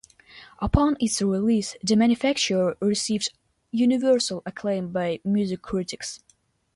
Upon its release, Demanufacture received universal acclaim by music critics.